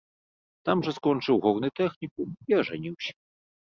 Там жа скончыў горны тэхнікум і ажаніўся.